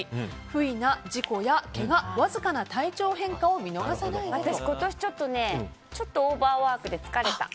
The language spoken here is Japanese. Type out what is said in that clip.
不意な事故やけがわずかな体調変化を私、今年ちょっとオーバーワークで疲れた。